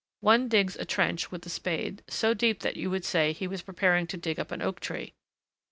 One digs a trench with the spade, so deep that you would say he was preparing to dig up an oak tree.